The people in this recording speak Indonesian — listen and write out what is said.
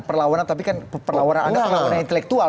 perlawanan tapi kan perlawanan anda perlawanan intelektual